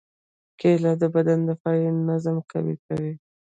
کېله د بدن دفاعي نظام قوي کوي.